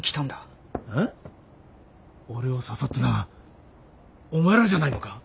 俺を誘ったのはお前らじゃないのか？